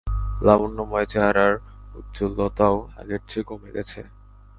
লাবণ্যময় চেহারার উজ্জ্বলতাও আগের চেয়ে কমে গেছে।